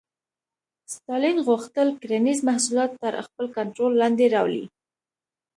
ستالین غوښتل کرنیز محصولات تر خپل کنټرول لاندې راولي